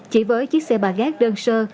chỉ với chiếc xe ba gác đơn sơ